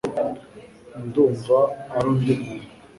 ndumva ari undi muntu